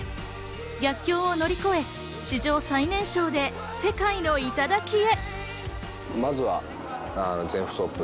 逆境を乗り越え、史上最年少で世界の頂へ。